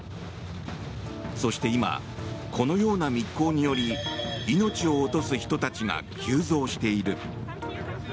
そして今このような密航により命を落とす人たちが急増している。